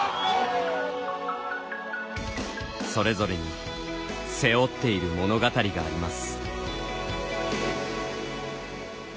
それぞれに背負っている物語があります。